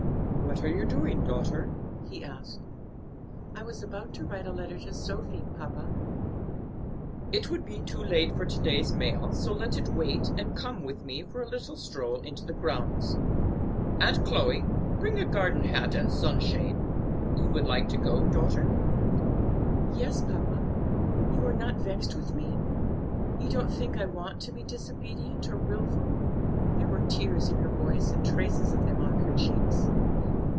"What are you doing, daughter?" he asked. "I was about to write a letter to Sophy, papa." "It would be too late for to day's mail; so let it wait, and come with me for a little stroll into the grounds. Aunt Chloe, bring a garden hat and sunshade. You would like to go, daughter?" "Yes, sir. Papa, you are not vexed with me? You don't think I want to be disobedient or wilful?" There were tears in her voice and traces of them on her cheeks.